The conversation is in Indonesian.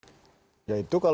apakah kondisinya sekarang